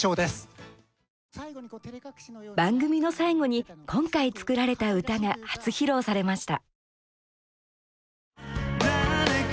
番組の最後に、今回作られた歌が初披露されました。